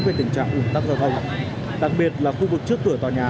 về tình trạng ủn tắc giao thông đặc biệt là khu vực trước cửa tòa nhà